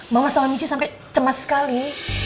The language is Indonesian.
mama sama michi sampai cemas sekali